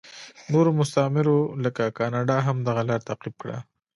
نورو مستعمرو لکه کاناډا هم دغه لار تعقیب کړه.